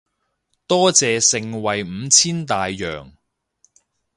多謝盛惠五千大洋